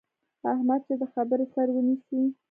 احمد چې د خبرې سر ونیسي،